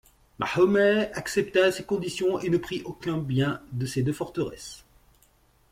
Mahomet accepta ces conditions et ne prit aucun bien de ces deux forteresses.